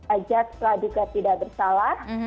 ajak setelah juga tidak bersalah